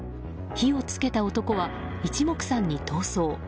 火をつけた男は一目散に逃走。